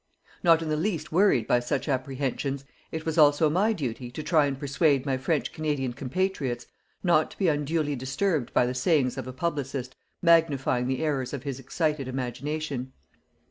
Not in the least worried by such apprehensions, it was also my duty to try and persuade my French Canadian compatriots not to be unduly disturbed by the sayings of a publicist magnifying the errors of his excited imagination.